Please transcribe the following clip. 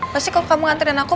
pasti kalau kamu nganterin aku